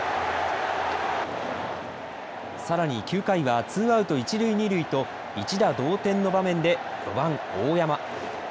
さらに９回はツーアウト一塁二塁と一打同点の場面で４番、大山。